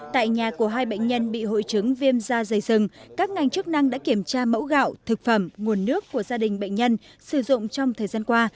tại nhà của hai bệnh nhân bị hội chứng viêm da dày rừng các ngành chức năng đã kiểm tra mẫu gạo thực phẩm nguồn nước của gia đình bệnh nhân sử dụng trong thời gian qua